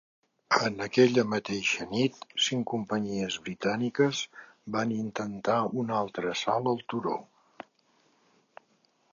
En aquella mateixa nit, cinc companyies britàniques van intentar un altre assalt al turó.